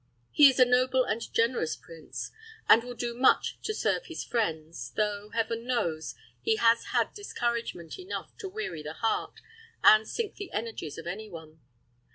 He is a noble and a generous prince, and will do much to serve his friends though, Heaven knows, he has had discouragement enough to weary the heart, and sink the energies of any one.